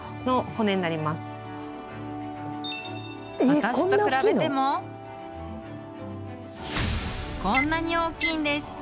私と比べても、こんなに大きいんです。